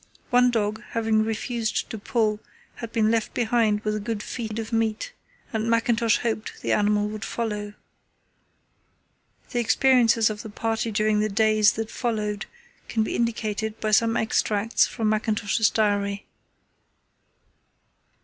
One dog, having refused to pull, had been left behind with a good feed of meat, and Mackintosh hoped the animal would follow. The experiences of the party during the days that followed can be indicated by some extracts from Mackintosh's diary.